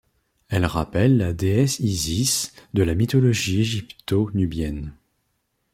Elle rappelle la déesse Isis de la mythologie égypto-nubienne.